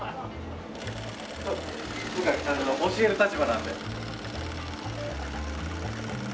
僕は教える立場なので。